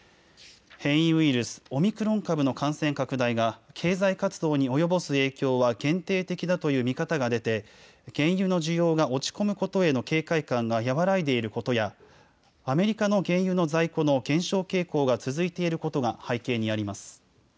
変異ウイルス、オミクロン株の感染拡大が経済活動に及ぼす影響は限定的だという見方が出て原油の需要が落ち込むことへの警戒感が和らいでいることやアメリカの原油の在庫の減少傾向が続いていることが背景にあります。